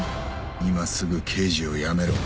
「今すぐ刑事を辞めろ」